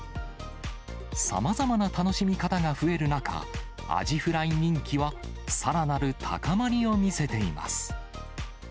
さまざまな楽しみ方が増える中、アジフライ人気はさらなる高まりを見せています。